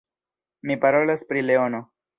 Mi parolas pri leono.